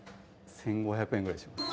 １，５００円ぐらいします